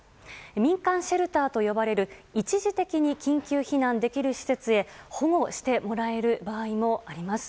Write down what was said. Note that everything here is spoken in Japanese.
民間シェルターと呼ばれる一時的に緊急避難できる施設へ保護してもらえる場合もあります。